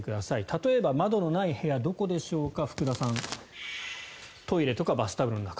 例えば、窓のない部屋どこでしょうか福田さんトイレとかバスタブの中。